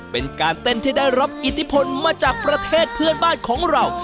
เป็นการเต้นที่ได้รับอิทธิพลมาจากประเทศเพื่อนบ้านของเรา